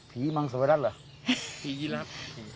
ผีมังสวรรค์เหรอผีรักษ์ฮ่า